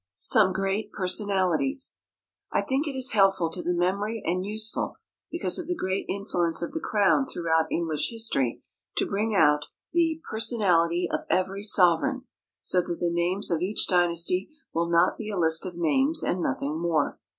Some Great Personalities. I think it is helpful to the memory, and useful, because of the great influence of the crown throughout English History, to bring out the personality of every sovereign, so that the names of each dynasty will not be a list of names and nothing more.